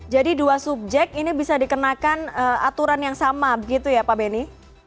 jadi dua subjek ini bisa dikenakan aturan yang sama gitu ya pak beni